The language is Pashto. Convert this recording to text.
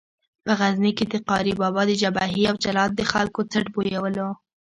په غزني کې د قاري بابا د جبهې یو جلاد د خلکو څټ بویولو.